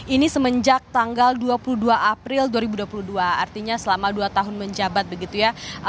ini semenjak tanggal dua puluh dua april dua ribu dua puluh dua artinya selama dua tahun menjabat begitu ya